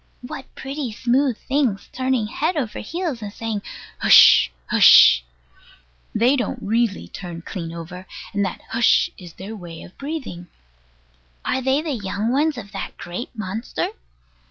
What pretty smooth things, turning head over heels, and saying, "Hush, Hush!" They don't really turn clean over; and that "Hush" is their way of breathing. Are they the young ones of that great monster?